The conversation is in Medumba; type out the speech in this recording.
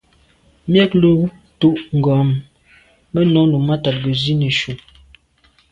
Miaglo tù’ ngom am me nô num mata nke nzi neshu.